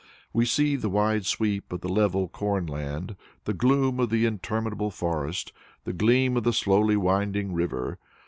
We see the wide sweep of the level corn land, the gloom of the interminable forest, the gleam of the slowly winding river.